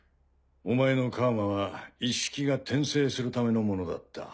お前の楔はイッシキが転生するためのものだった。